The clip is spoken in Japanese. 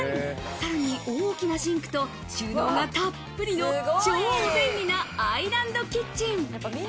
さらに大きなシンクと収納がたっぷりの超便利なアイランドキッチン。